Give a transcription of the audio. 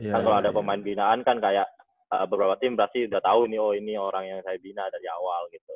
kalau ada pemain binaan kan kayak beberapa tim berarti udah tau nih oh ini orang yang saya bina dari awal gitu